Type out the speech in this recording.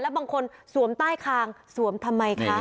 บางคนสวมใต้คางสวมทำไมคะ